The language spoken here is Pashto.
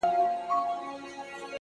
ژوند په نڅا و